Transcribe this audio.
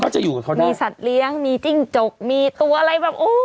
จะอยู่กับเขาด้วยมีสัตว์เลี้ยงมีจิ้งจกมีตัวอะไรแบบโอ้